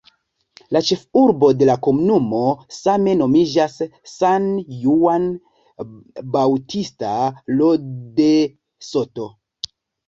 La ĉefurbo de la komunumo same nomiĝas "San Juan Bautista Lo de Soto".